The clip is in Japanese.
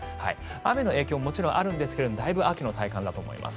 雨の影響ももちろんあるんですが秋の体感だと思います。